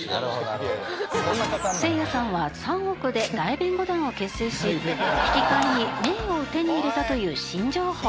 せいやさんは３億で大弁護団を結成し引き換えに名誉を手に入れたという新情報。